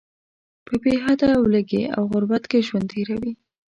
په بې حده ولږې او غربت کې ژوند تیروي.